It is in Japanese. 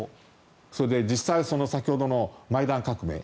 それで、実際先ほどのマイダン革命